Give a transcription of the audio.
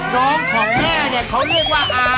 น้องของแม่เขาเรียกว่าอา